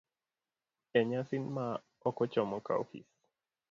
e nyasi ma ok ochomo ka ofis,